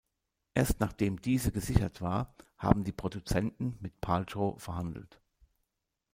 Erst nachdem diese gesichert war, haben die Produzenten mit Paltrow verhandelt.